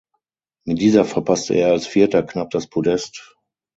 Mit dieser verpasste er als Vierter knapp das Podest.